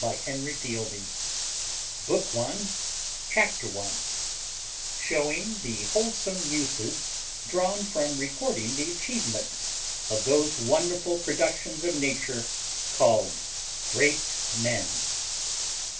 JONATHAN WILD BOOK I CHAPTER ONE SHEWING THE WHOLESOME USES DRAWN FROM RECORDING THE ACHIEVEMENTS OF THOSE WONDERFUL PRODUCTIONS OF NATURE CALLED GREAT MEN.